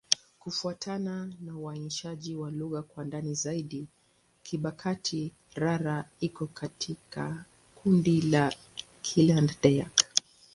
Kufuatana na uainishaji wa lugha kwa ndani zaidi, Kibakati'-Rara iko katika kundi la Kiland-Dayak.